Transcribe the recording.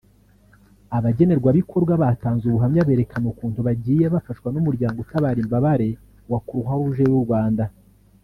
Abagenerwabikorwa batanze ubuhamya berekana ukuntu bagiye bafashwa n’Umuryango utabara imbabare wa Croix-Rouge y’u Rwanda